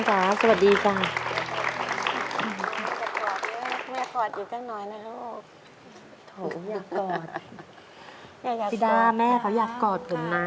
อยากกอด